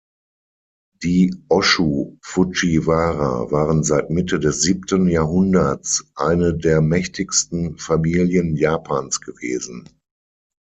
Die Ōshū-Fujiwara waren seit Mitte des siebten Jahrhunderts eine der mächtigsten Familien Japans gewesen.